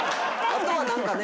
あとはなんかね。